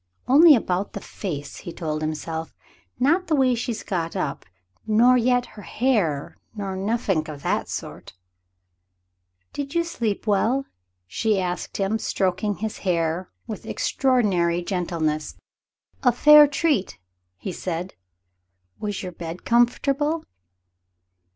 "Only about the face," he told himself, "not the way she's got up; nor yet her hair nor nuffink of that sort." "Did you sleep well?" she asked him, stroking his hair with extraordinary gentleness. "A fair treat," said he. "Was your bed comfortable?"